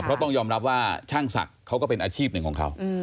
เพราะต้องยอมรับว่าช่างศักดิ์เขาก็เป็นอาชีพหนึ่งของเขา